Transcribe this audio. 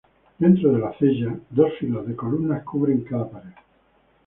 Dentro de la cella dos filas de columnas cubren cada pared.